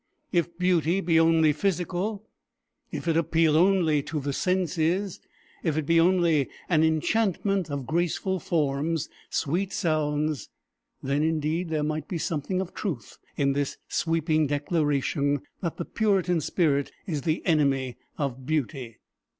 If beauty be only physical, if it appeal only to the senses, if it be only an enchantment of graceful forms, sweet sounds, then indeed there might be something of truth in this sweeping declaration that the Puritan spirit is the enemy of beauty.